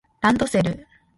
ランドセル